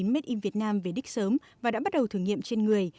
mết im việt nam về đích sớm và đã bắt đầu thử nghiệm trên người